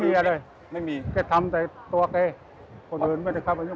ไม่มีอะไรแกะทำแต่ตัวเกคนอื่นไม่ได้เข้าไปยุ่ง